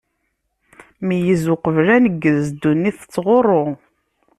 Meyyez uqbel aneggez, ddunit tettɣuṛṛu!